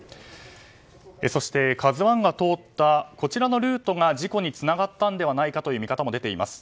そして、「ＫＡＺＵ１」が通った、こちらのルートが事故につながったのではないかという見方も出ています。